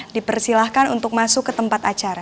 dipersilahkan untuk masuk ke tempat acara